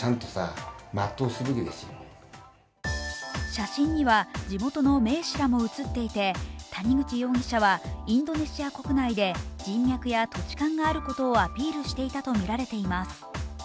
写真には地元の名士らも写っていて谷口容疑者はインドネシア国内で人脈や土地勘があることをアピールしていたとみられています。